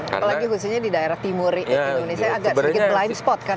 apalagi khususnya di daerah timur indonesia agak sedikit blind spot kan